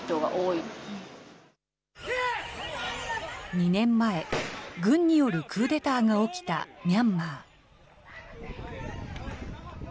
２年前、軍によるクーデターが起きたミャンマー。